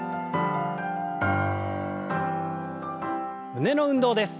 胸の運動です。